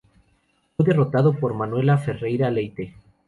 Fue derrotado por Manuela Ferreira Leite.